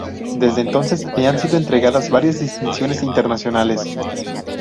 Desde entonces le han sido entregadas varias distinciones internacionales.